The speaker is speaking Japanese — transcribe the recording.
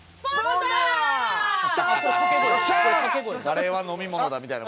カレーは飲み物だみたいな。